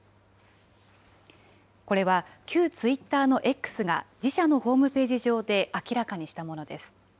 これは、旧ツイッターのＸが自社のホームページ上で明らかにしたものです。